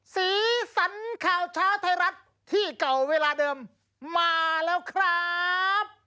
สีสันข่าวเช้าไทยรัฐที่เก่าเวลาเดิมมาแล้วครับ